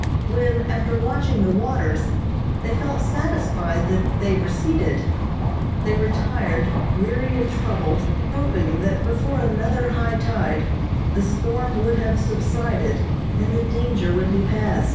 When, after watching the waters, they felt satisfied that they receded, they retired, weary and troubled, hoping that before another high tide the storm would have subsided and the danger would be past.